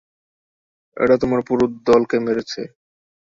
এটা তোমার পুরো দলকে মেরেছে।